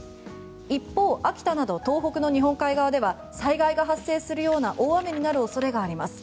一方、秋田など東北の日本海側では災害が発生するような大雨になる恐れがあります。